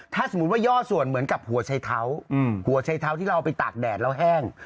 ถ้าสมมุติว่าย่อส่วนเหมือนกับหัวชัยเท้าหัวชัยเท้าที่เราเอาไปตากแดดแล้วแห้ง